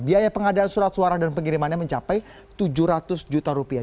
biaya pengadaan surat suara dan pengirimannya mencapai tujuh ratus juta rupiah